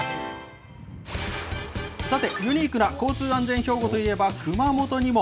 さて、ユニークな交通安全標語といえば、熊本にも。